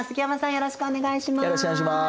よろしくお願いします。